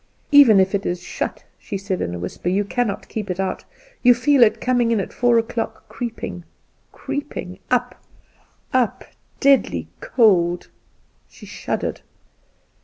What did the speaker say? "Even if it is shut," she said, in a whisper, "you cannot keep it out! You feel it coming in at four o'clock, creeping, creeping, up, up; deadly cold!" She shuddered.